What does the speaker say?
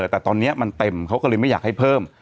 แต่ตอนนี้มันเต็มเขาก็เลยไม่อยากให้เพิ่ม